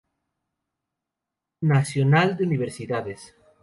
Nacional de Universidades.